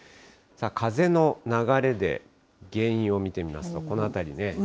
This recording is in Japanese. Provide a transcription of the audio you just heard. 風の流れで、原因を見てみますと、この辺り。